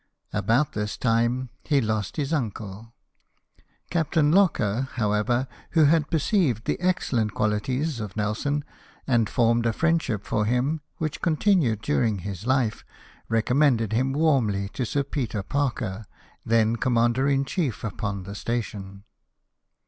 About this time he lost his uncle. Captain Locker, however, who had perceived the excellent qualities of Nelson, and formed a friendship for him, which continued during his life, recommended him warmly to Sir Peter Parker, then commander in chief upon that station.